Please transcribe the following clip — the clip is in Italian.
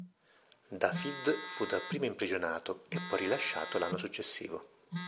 Dafydd fu dapprima imprigionato e poi rilasciato l'anno successivo.